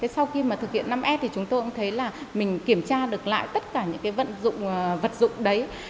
sau khi mà thực hiện năm s thì chúng tôi cũng thấy là mình kiểm tra được lại tất cả những vận dụng vật dụng đấy